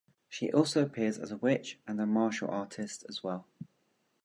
She also appears as a witch and martial artist as well.